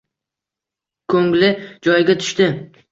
Ko‘ngli joyiga tushdi